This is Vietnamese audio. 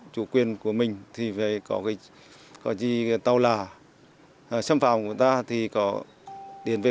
chủ quyền của mình có gì tàu là xâm phạm của ta